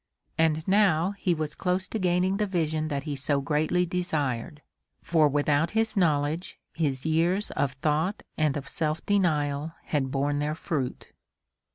And now he was close to gaining the vision that he so greatly desired, for without his knowledge his years of thought and of self denial had borne their fruit.